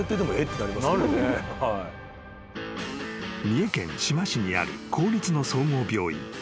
［三重県志摩市にある公立の総合病院